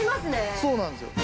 そうなんですよ。